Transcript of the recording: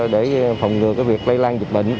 để phòng ngừa việc lây lan dịch bệnh